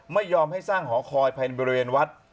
ไม่ยอมให้สร้างหอคอยภายในบริเวณวัด